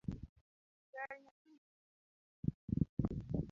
ber nyathina akonyi gang'o?